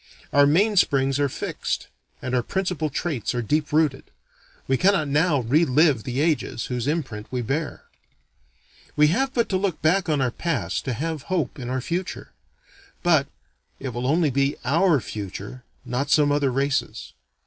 Our main springs are fixed, and our principal traits are deep rooted. We cannot now re live the ages whose imprint we bear. We have but to look back on our past to have hope in our future: but it will be only our future, not some other race's.